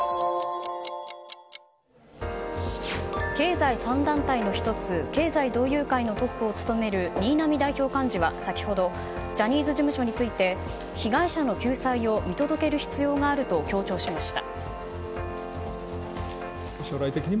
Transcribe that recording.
経済３団体の１つ経済同友会のトップを務める新浪代表幹事は先ほどジャニーズ事務所について被害者の救済を見届ける必要があると強調しました。